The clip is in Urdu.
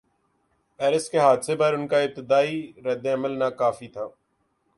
پیرس کے حادثے پر ان کا ابتدائی رد عمل ناکافی تھا۔